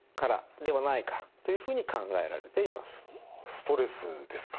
ストレスですか。